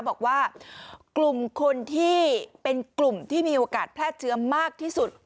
บอกว่ากลุ่มคนที่เป็นกลุ่มที่มีโอกาสแพร่เชื้อมากที่สุด